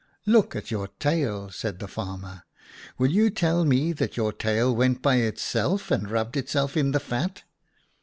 "' Look at your tail,' said the farmer. ' Will you tell me that your tail went by itself and rubbed itself in the fat